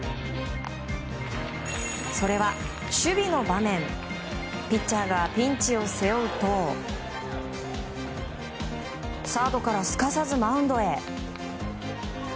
それは、守備の場面ピッチャーがピンチを背負うとサードからすかさずマウンドへ。